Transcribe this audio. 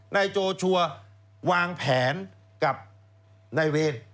นายโจชัวร์วางแผนกับนายเวร